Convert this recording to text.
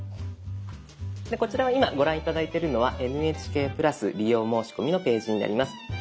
こちらは今ご覧頂いてるのは「ＮＨＫプラス利用申込み」のページになります。